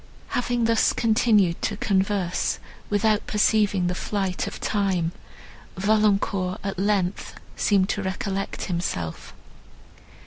Having thus continued to converse, without perceiving the flight of time, Valancourt, at length, seemed to recollect himself.